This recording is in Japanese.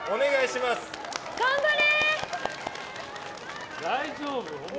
頑張れ！